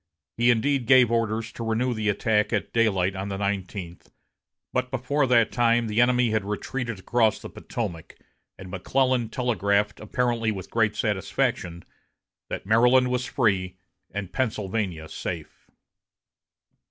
He indeed gave orders to renew the attack at daylight on the nineteenth, but before that time the enemy had retreated across the Potomac, and McClellan telegraphed, apparently with great satisfaction, that Maryland was free and Pennsylvania safe.